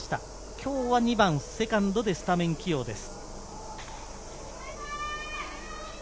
今日は２番・セカンドでスタメン起用です。